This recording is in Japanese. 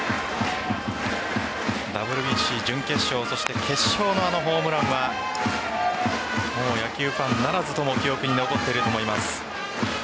ＷＢＣ準決勝、決勝のあのホームランは野球ファンならずとも記憶に残っていると思います。